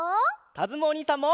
かずむおにいさんも！